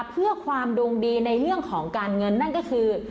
เพื่อความดวงดีในเรื่องของการเงินนั่นก็คือ